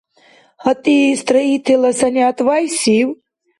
ГьатӀи, строителла санигӀят вяйсив?